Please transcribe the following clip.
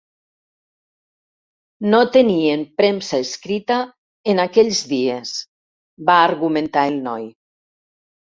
"No tenien premsa escrita en aquells dies", va argumentar el noi.